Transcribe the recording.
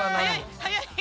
早い！